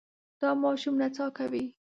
دا ماشوم نڅا کوي.